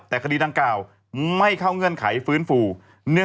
แต่คดีดังกล่าวไม่เข้าเงื่อนไขฟื้นฟู